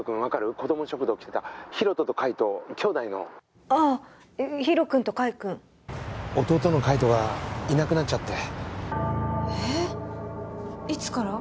子ども食堂来てた☎大翔と海翔兄弟のああヒロくんとカイくん弟の海翔がいなくなっちゃってえっいつから？